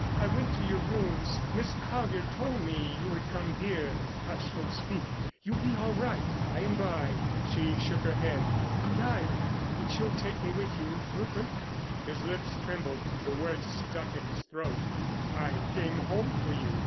I went to your rooms. Miss Colyer told me you had come here. Hush, don't speak, you'll be all right by and by." She shook her head. "I'm dying. But you'll take me with you, Rupert?" His lips trembled. The words stuck in his throat, "I came home for you.